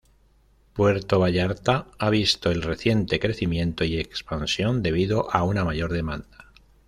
Puerto Vallarta ha visto el reciente crecimiento y expansión, debido a una mayor demanda.